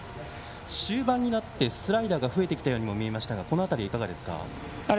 終盤になってスライダーが増えてきたように見えましたがこのあたりはいかがですか。